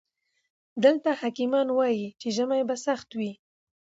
دلته حکيمان وايي چې ژمی به سخت وي.